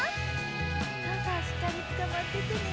そうそうしっかりつかまっててね！